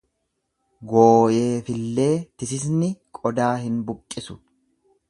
Gooyeefillee tisisni qodaa hin buqqisu.